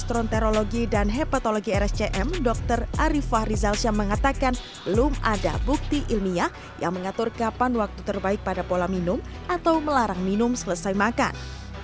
dronerologi dan hepatologi rscm dr arifah rizalsya mengatakan belum ada bukti ilmiah yang mengatur kapan waktu terbaik pada pola minum atau melarang minum selesai makan